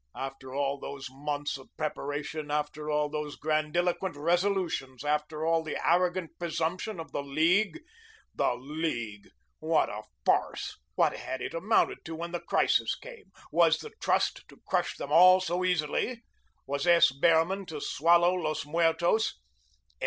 After all those months of preparation, after all those grandiloquent resolutions, after all the arrogant presumption of the League! The League! what a farce; what had it amounted to when the crisis came? Was the Trust to crush them all so easily? Was S. Behrman to swallow Los Muertos?